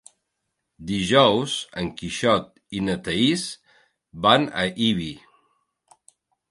Dijous en Quixot i na Thaís van a Ibi.